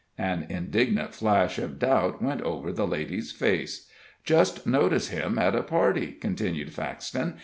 An indignant flash of doubt went over the lady's face. "Just notice him at a party," continued Faxton.